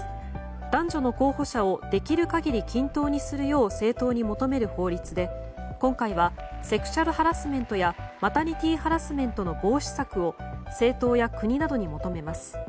男女の候補者をできる限り均等にするよう政党に求める法律で今回はセクシュアルハラスメントやマタニティーハラスメントの防止策を、政党や国などに求めます。